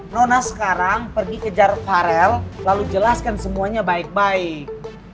nona sekarang pergi kejar farel lalu jelaskan semuanya baik baik